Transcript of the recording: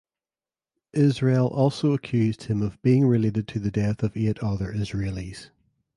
Israel also accused him of being related to the death of eight other Israelis.